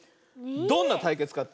どんなたいけつかって？